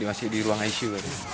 cuma masih di ruang isu